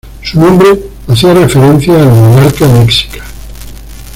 Su nombre hacía referencia al monarca mexica.